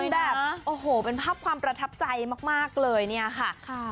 คือแบบโอ้โหเป็นภาพความประทับใจมากเลยเนี่ยค่ะ